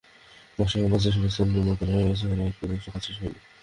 নকশায় ক্যাম্পাসে যেসব স্থাপনা নির্মাণের কথা রয়েছে, তার এক-তৃতীয়াংশেরও কাজ শেষ হয়নি।